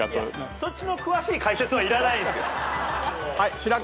そっちの詳しい解説はいらないんですよ。